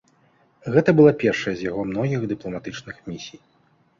Гэта была першая з яго многіх дыпламатычных місій.